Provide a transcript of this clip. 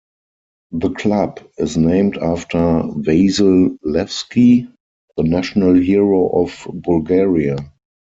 The club is named after Vasil Levski, the national hero of Bulgaria.